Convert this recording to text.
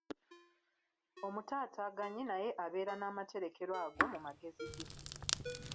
Omutaataganyi naye abeera n'amaterekero ago mu magezi ge.